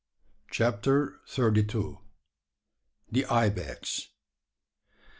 CHAPTER THIRTY TWO. THE IBEX.